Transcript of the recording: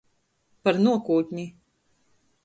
Par nuokūtni.